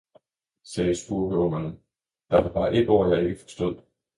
sagde spurveungerne, der var bare et ord, jeg ikke forstod.